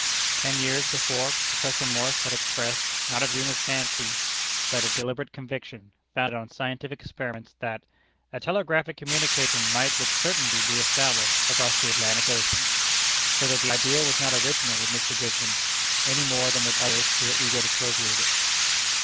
Ten years before Professor Morse had expressed, not a dreamer's fancy, but a deliberate conviction, founded on scientific experiments, that "a telegraphic communication might with certainty be established across the Atlantic Ocean;" so that the idea was not original with Mr. Gisborne, any more than with others who were eager to appropriate it.